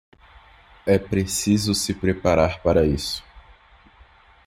É preciso se preparar para isso.